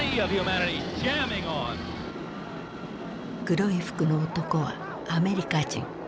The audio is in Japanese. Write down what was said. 黒い服の男はアメリカ人。